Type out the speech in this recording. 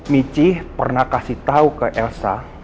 michi pernah kasih tahu ke elsa